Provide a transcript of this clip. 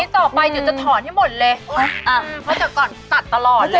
ต่อไปจะถอนให้หมดเลยเพราะจากก่อนตัดตลอดเลย